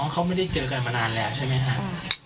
เขาไม่ได้เจอกันมานานแล้วใช่ไหมครับ